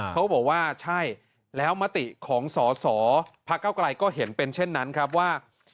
เขาบอกว่าใช่แล้วมติของสอสอพักเก้าไกลก็เห็นเป็นเช่นนั้นครับว่า